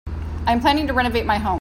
I am planning to renovate my home.